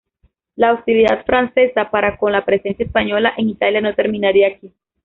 La hostilidad francesa para con la presencia española en Italia no terminaría aquí.